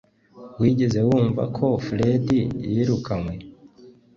Wigeze wumva ko Fred yirukanwe?